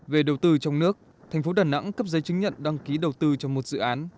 về đầu tư trong nước thành phố đà nẵng cấp giấy chứng nhận đăng ký đầu tư cho một dự án